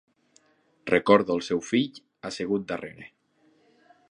Recordo el seu fill assegut darrere.